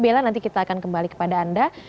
bella nanti kita akan kembali kepada anda